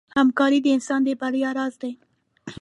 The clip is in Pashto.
همکاري د انسان د بریا راز دی.